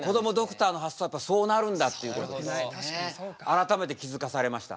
改めて気付かされました。